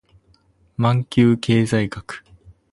マンキュー経済学